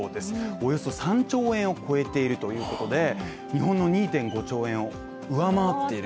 およそ３兆円を超えているということで、日本の２．５兆円を上回っている。